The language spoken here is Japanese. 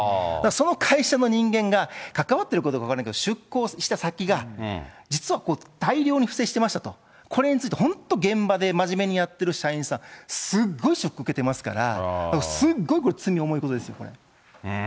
その会社の人間が、関わってるかどうか分かんないけど、出向した先が、実は大量に不正をしてましたと、これについて本当、現場で真面目にやってる社員さん、すごいショックを受けてますから、すっごいこれ、罪重いことですよ、これ。